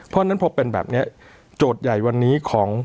เพราะฉะนั้นพอเป็นแบบนี้โจทย์ใหญ่วันนี้ของ